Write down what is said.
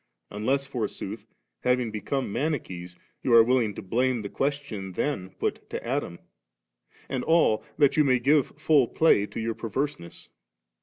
unless forsooth, having become Mani chees, you are willing to blame' the question then put to Adam and all that you may give fiill play* to your perverseness.